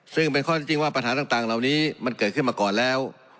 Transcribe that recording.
ซึ่งเป็นข้อที่จริงว่าปัญหาต่างเหล่านี้มันเกิดขึ้นมาก่อนแล้ว